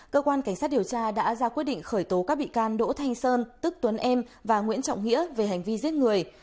cơ quan cảnh sát điều tra đã ra quyết định khởi tố các bị can đỗ thanh sơn tức tuấn em và nguyễn trọng nghĩa về hành vi giết người